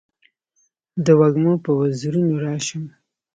د وږمو په وزرونو راشم